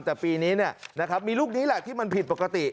แต่ปีนี้มีลูกนี้แหละที่มันผิดปกติ